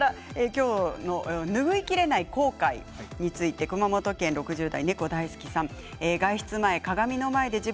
きょうの拭いきれない後悔について熊本県６０代の方からです。